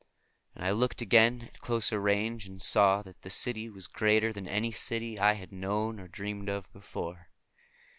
And I looked again, at closer range, and saw that the city was greater than any city I had known or dreamed of before.